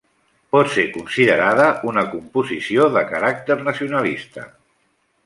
Pot ser considerada una composició de caràcter nacionalista.